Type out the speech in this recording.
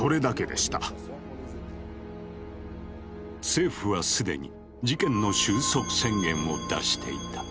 政府は既に事件の終息宣言を出していた。